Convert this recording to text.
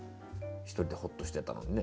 １人でほっとしてたのにね。